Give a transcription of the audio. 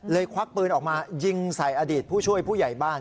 ควักปืนออกมายิงใส่อดีตผู้ช่วยผู้ใหญ่บ้าน